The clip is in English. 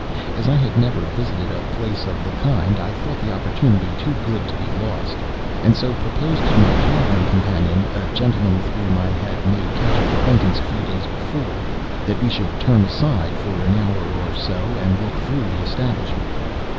As I had never visited a place of the kind, I thought the opportunity too good to be lost; and so proposed to my travelling companion (a gentleman with whom I had made casual acquaintance a few days before), that we should turn aside, for an hour or so, and look through the establishment.